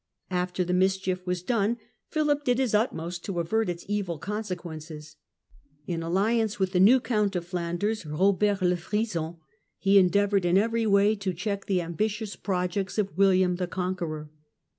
After the mischief was done, Philip did his utmost to avert its evil consequences. In alliance with the new Count of Flanders, Eobert le Frison, he endea voured in every way to check the ambitious projects of William the Conqueror.